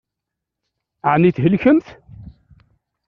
Ɛni thelkemt?